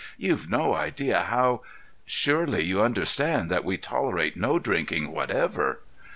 You've no idea how—" "Surely you understand that we tolerate no drinking whatever?"